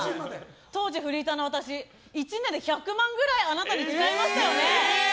当時、フリーターの私１年で１００万くらいあなたに使いましたよね？